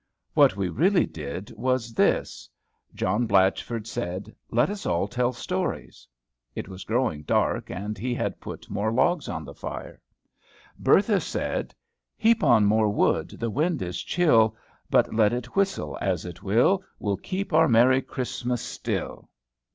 What we really did was this: John Blatchford said, "Let us all tell stories." It was growing dark and he had put more logs on the fire. Bertha said, "Heap on more wood, the wind is chill; But let it whistle as it will, We'll keep our merry Christmas still."